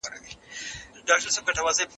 تاسو د علم په برخه کي ډېره پلټنه وکړه.